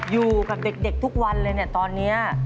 อยู่กับเด็กทุกวันเลยเนี่ยตอนนี้